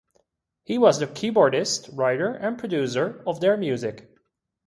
He was the keyboardist, writer, and producer of their music.